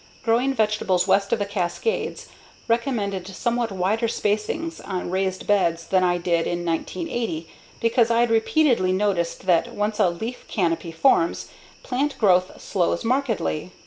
Growing Vegetables West of the Cascades, recommended somewhat wider spacings on raised beds than I did in 1980 because I'd repeatedly noticed that once a leaf canopy forms, plant growth slows markedly.